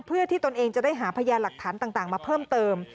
เพื่อที่ตนเองจะได้หาพยานหลักฐานต่างมาเพิ่มเติม